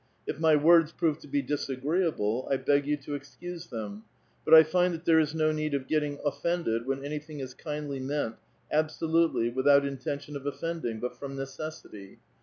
If my words prove to be disagreeable, I beg you to excuse them ; but I find that there is no need of getting offended when anything is kindlv meant, absolutelv, without intention of offending, but from necessity.